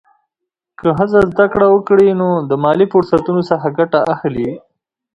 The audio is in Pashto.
که ښځه زده کړه وکړي، نو د مالي فرصتونو څخه ګټه اخلي.